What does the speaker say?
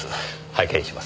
拝見します。